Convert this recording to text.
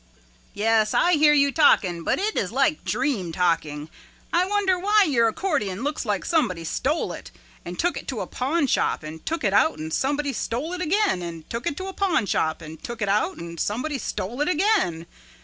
'" "Yes I hear you talking but it is like dream talking. I wonder why your accordion looks like somebody stole it and took it to a pawnshop and took it out and somebody stole it again and took it to a pawnshop and took it out and somebody stole it again.